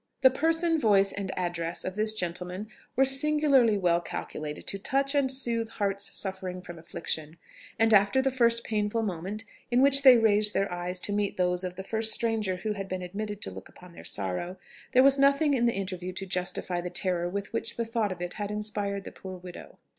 The person, voice, and address of this gentleman were singularly well calculated to touch and soothe hearts suffering from affliction; and after the first painful moment in which they raised their eyes to meet those of the first stranger who had been admitted to look upon their sorrow, there was nothing in the interview to justify the terror with which the thought of it had inspired the poor widow.